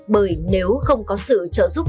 bởi nếu không có sự trợ giúp